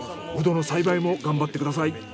うどの栽培も頑張ってください。